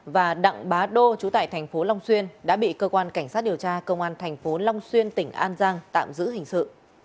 và đặng bá đô chú tại thành phố long xuyên đã bị cơ quan cảnh sát điều tra công an thành phố long xuyên tỉnh an giang tạm giữ hình sự